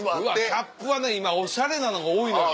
キャップはね今おしゃれなのが多いのよ。